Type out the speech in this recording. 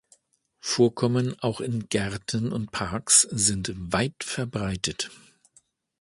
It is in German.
Vorkommen auch in Gärten und Parks sind weit verbreitet.